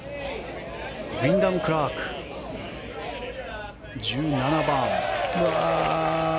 ウィンダム・クラーク１７番。